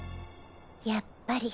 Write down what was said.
やっぱり。